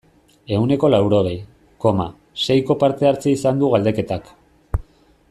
Ehuneko laurogei, koma, seiko parte-hartzea izan du galdeketak.